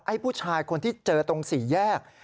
ผู้ชายคนที่เจอตรงสี่แยก